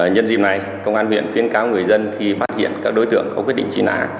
nhân dịp này công an huyện khuyến cáo người dân khi phát hiện các đối tượng có quyết định truy nã